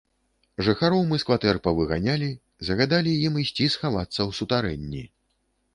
Жыхароў мы з кватэр павыганялі, загадалі ім ісці схавацца ў сутарэнні.